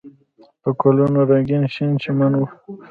په ګلونو رنګین شین چمن و.